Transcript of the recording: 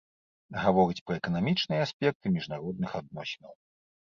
Гаворыць пра эканамічныя аспекты міжнародных адносінаў.